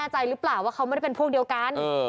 หลายอย่าง